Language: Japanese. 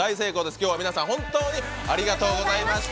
きょうは皆さん本当にありがとうございました。